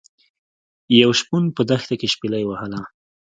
یو شپون په دښته کې شپيلۍ وهله.